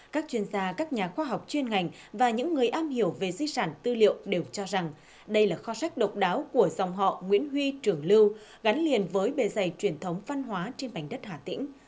các chuyên gia các nhà khoa học chuyên ngành và những người am hiểu về di sản tư liệu đều cho rằng đây là kho sách độc đáo của dòng họ nguyễn huy trường lưu gắn liền với bề dày truyền thống văn hóa trên mảnh đất hà tĩnh